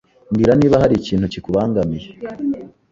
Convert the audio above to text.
Mbwira niba hari ikintu kikubangamiye.